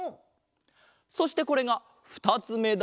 そしてこれがふたつめだ！